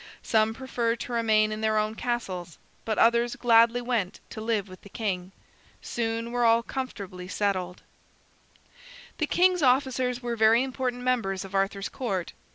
Some preferred to remain in their own castles, but others gladly went to live with the king. Soon all were comfortably settled. The king's officers were very important members of Arthur's court.